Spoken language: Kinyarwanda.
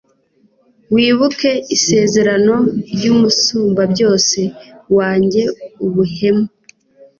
wibuke isezerano ry'umusumbabyose, wange ubuhemu